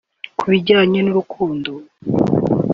Ku bijynye n’urukundo